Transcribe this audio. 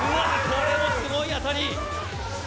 これもすごい当たり。